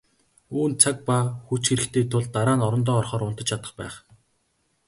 Үүнд цаг ба хүч хэрэгтэй тул дараа нь орондоо орохоор унтаж чадах байх.